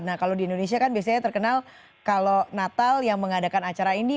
nah kalau di indonesia kan biasanya terkenal kalau natal yang mengadakan acara ini